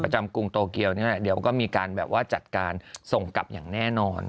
จำกรุงโตเกียวเนี่ยเดี๋ยวก็มีการแบบว่าจัดการส่งกลับอย่างแน่นอน